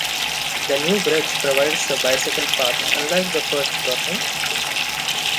The new bridge provides a bicycle path unlike the first crossing.